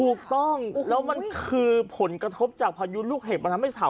ถูกต้องแล้วมันคือผลกระทบจากพายุลูกเห็บ